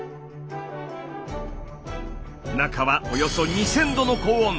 中はおよそ２，０００度の高温。